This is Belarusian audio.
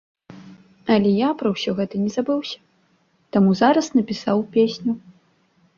Але я пра ўсё гэта не забыўся, таму зараз напісаў песню.